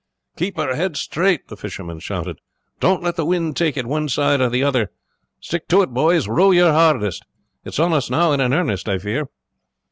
"Keep her head straight!" the fisherman shouted. "Don't let the wind take it one side or the other. Stick to it, boys; row your hardest; it is on us now and in earnest, I fear."